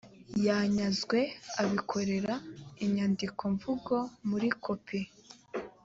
yanyazwe abikorera inyandikomvugo muri kopi